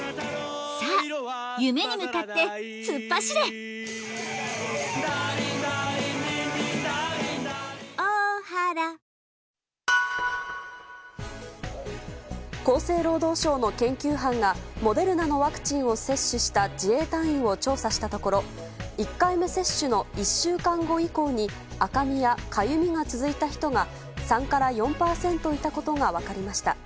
首位、阪神に１．５ゲーム差に迫り厚生労働省の研究班がモデルナのワクチンを接種した自衛隊員を調査したところ１回目接種の１週間後以降に赤みやかゆみが続いた人が３から４％いたことが分かりました。